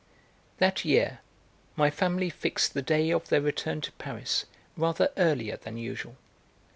That year my family fixed the day of their return to Paris rather earlier than usual.